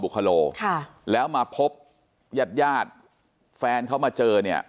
ค่ะแล้วมาพบยัดย่าดแฟนเข้ามาเจอเนี้ย